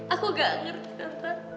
aku gak ngerti tante